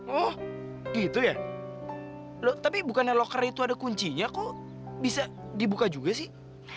oh gitu ya tapi bukannya loker itu ada kuncinya kok bisa dibuka juga sih